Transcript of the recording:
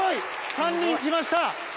３人きました！